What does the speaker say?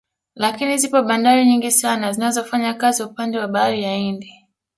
Lakini zipo bandari nyingi sana zinazofanya kazi upande wa bahari ya Hindi